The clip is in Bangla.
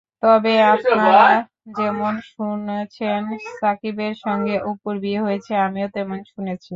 তবে আপনারা যেমন শুনেছেন শাকিবের সঙ্গে অপুর বিয়ে হয়েছে, আমিও তেমন শুনেছি।